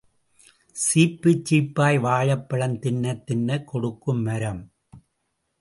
சீப்புச் சீப்பாய் வாழைப்பழம் தின்னத் தின்னக் கொடுக்கும் மரம்.